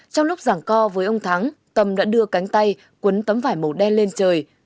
trong lúc giảng co với ông thắng tâm đã đưa cánh tay quấn tấm vải màu đen lên trời